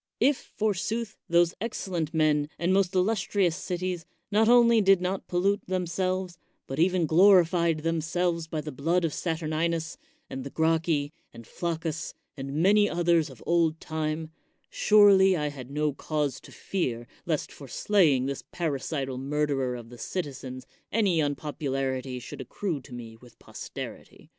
If, forsooth, those excellent men and most illustrious cities not only did not pollute themselves, but even glorified themselves by the blood of Saturninus, and the Gracchi, and Flac cus, and many others of old time, surely I had no cause to fear lest for slaying this parricidal murderer of the citizens any unpopularity should accrue to me with posterity.